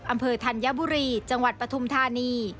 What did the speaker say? อำเภอธัญบุรีจังหวัดประธุมธานี